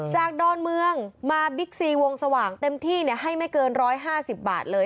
ดอนเมืองมาบิ๊กซีวงสว่างเต็มที่ให้ไม่เกิน๑๕๐บาทเลย